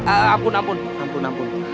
ampun ampun ampun ampun